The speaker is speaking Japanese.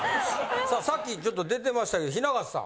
さあさっきちょっと出てましたけど雛形さん。